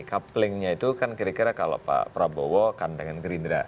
couplingnya itu kan kira kira kalau pak prabowo kan dengan gerindra